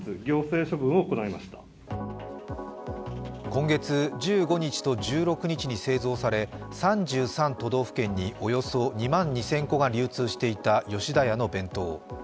今月１５日と１６日に製造され、３３都道府県におよそ２万２０００個が流通していた吉田屋の弁当。